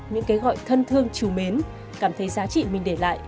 những cái gọi thân thương trù mến cảm thấy giá trị mình để lại